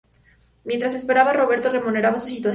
Mientras espera, Roberto rememora su situación.